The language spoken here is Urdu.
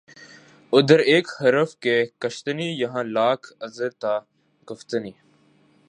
ادھر ایک حرف کہ کشتنی یہاں لاکھ عذر تھا گفتنی